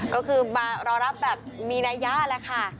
ก็คือมารอรับแบบมีนายาท์แล้วค่ะ